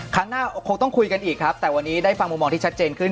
ครั้งหน้าคงต้องคุยกันอีกครับแต่วันนี้ได้ฟังมุมมองที่ชัดเจนขึ้น